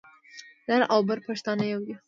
لر او بر پښتانه يو دي.